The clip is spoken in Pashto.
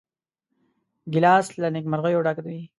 ګیلاس له نیکمرغیو ډک وي.